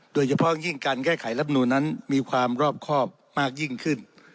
โดยเฉพาะยิ่งการแก้ไขรับนูนนั้นมีความรอบครอบมากยิ่งขึ้น